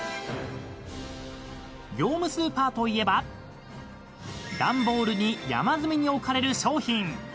［業務スーパーといえば段ボールに山積みに置かれる商品］